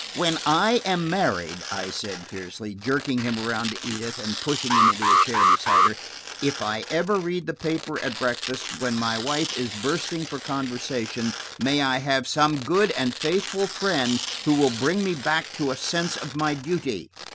"When I am married," I said fiercely, jerking him around to Edith and pushing him into a chair beside her, "if I ever read the paper at breakfast when my wife is bursting for conversation, may I have some good and faithful friend who will bring me back to a sense of my duty."